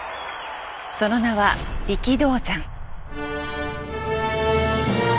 その名は力道山。